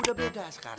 udah beda sekarang